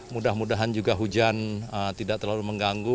mudah mudahan juga hujan tidak terlalu mengganggu